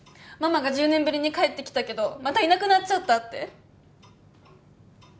ママが１０年ぶりに帰ってきたけどまたいなくなっちゃったって？